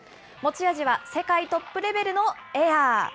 持ち味は世界トップレベルのエア。